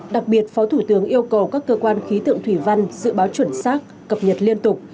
đặc biệt phó thủ tướng yêu cầu các cơ quan khí tượng thủy văn dự báo chuẩn xác cập nhật liên tục